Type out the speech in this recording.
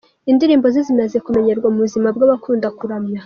Indirimbo ze zimaze kumenyerwa mu buzima bwabakunda kuramya.